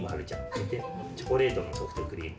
みてチョコレートのソフトクリーム。